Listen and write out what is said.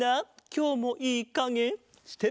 きょうもいいかげですな。